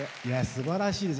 すばらしいです。